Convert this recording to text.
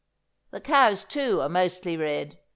The cows, too, are mostly red.